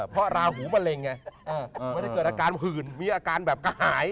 เพราะราหูมะเร็งไงไม่ได้เกิดอาการหื่นมีอาการแบบกระหาย